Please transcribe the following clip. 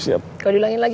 ingat jangan diulangi lagi